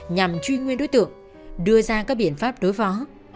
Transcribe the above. nhằm truy nguyên đối tượng đưa ra các biện pháp đối phó